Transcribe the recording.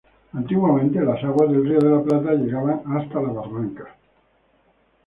Antiguamente las aguas del Río de la Plata llegaban hasta las barrancas.